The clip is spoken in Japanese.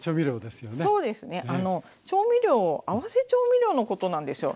そうですね調味料合わせ調味料のことなんですよ。